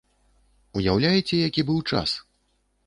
Уяўляеце, які быў час!